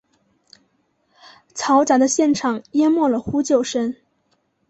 嘈杂的现场淹没了呼救声。